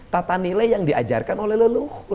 tata nilai yang diajarkan oleh leluhur